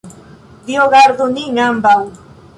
Dio gardu nin ambaŭ!